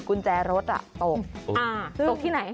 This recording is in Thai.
กุญแจรถตกตกที่ไหน